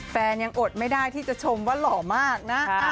ยังอดไม่ได้ที่จะชมว่าหล่อมากนะ